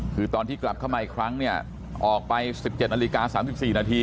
คือตอนที่กลับเข้ามาอีกครั้งเนี่ยออกไปสิบเจ็ดนาฬิกาสามสิบสี่นาที